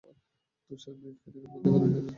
তুষার মিনিটখানেকের মধ্যেই ঘন হয়ে যাচ্ছে।